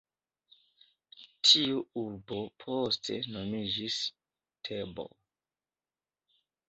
Tiu urbo poste nomiĝis Tebo.